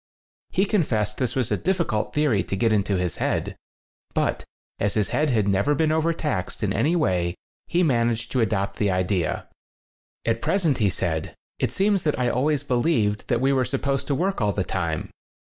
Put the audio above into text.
He con fessed this was a difficult theory to get into his head, but as his head had never been overtaxed in any way he managed to adopt the idea. *>♦♦ "At present," he said, "it seems that I always believed that we were supposed to work all the time.